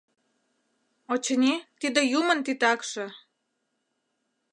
Очыни, тиде юмын титакше —